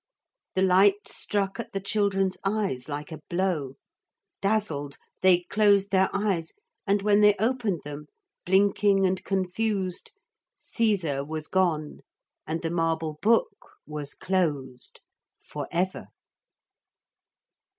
The light struck at the children's eyes like a blow. Dazzled, they closed their eyes and when they opened them, blinking and confused, Caesar was gone and the marble book was closed for ever.